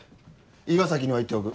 伊賀崎には言っておく。